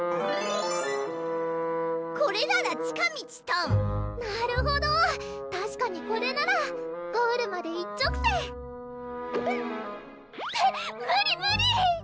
これなら近道トンなるほどたしかにこれならゴールまで一直線って無理無理！